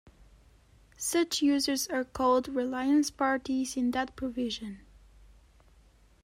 Such users are called "reliance parties" in that provision.